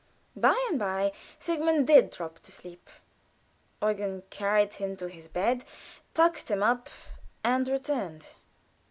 By and by Sigmund did drop to sleep. Eugen carried him to his bed, tucked him up, and returned.